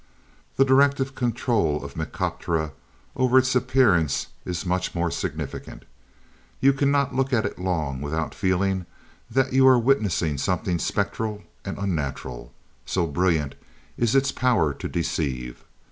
The directive control of Mycteroperca over its appearance is much more significant. You cannot look at it long without feeling that you are witnessing something spectral and unnatural, so brilliant is its power to deceive.